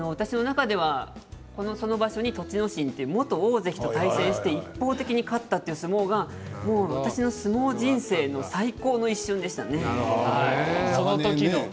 その場所に栃ノ心という元大関と対戦して一方的に勝ったという相撲が私の相撲人生の最高の一瞬でした。